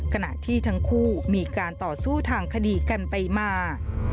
ขณะที่ทั้งคู่มีการต่อสู้ทางคดีกันไปมา